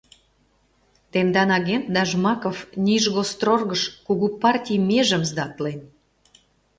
— Тендан агентда Жмаков Нижгосторгыш кугу партий межым сдатлен.